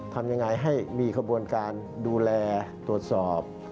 ทำยังไงให้มีขบวนการดูแลตรวจสอบ